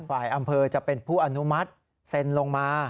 ฝ่ายอำเภอจะเป็นผู้อนุมัติเซ็นลงมา